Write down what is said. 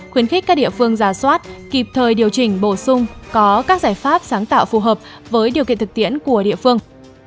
khuyến khích các địa phương giả soát kịp thời điều chỉnh bổ sung có các giải pháp sáng tạo phù hợp với điều kiện thực tiễn của địa phương